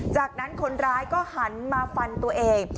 จากนั้นคนร้ายก็หันมาฟันตัวเอง